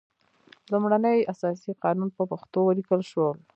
لومړنی اساسي قانون په پښتو ولیکل شول.